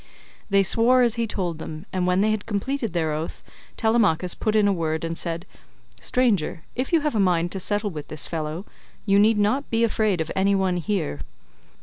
They swore as he told them, and when they had completed their oath Telemachus put in a word and said, "Stranger, if you have a mind to settle with this fellow, you need not be afraid of any one here.